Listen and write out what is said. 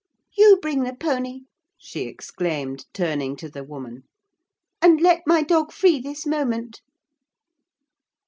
"You bring the pony," she exclaimed, turning to the woman, "and let my dog free this moment!"